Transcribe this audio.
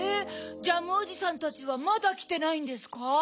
ジャムおじさんたちはまだきてないんですか？